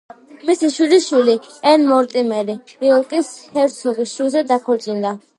მისი შვილიშვილი, ენ მორტიმერი იორკის ჰერცოგის შვილზე დაქორწინდა.